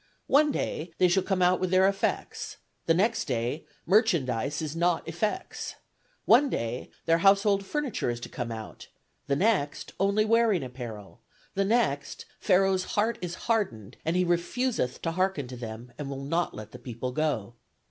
One day, they shall come out with their effects; the next day, merchandise is not effects. One day, their household furniture is to come out; the next, only wearing apparel; the next, Pharaoh's heart is hardened, and he refuseth to hearken to them, and will not let the people go.